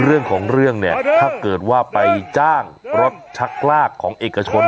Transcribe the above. เรื่องของเรื่องเนี่ยถ้าเกิดว่าไปจ้างรถชักลากของเอกชน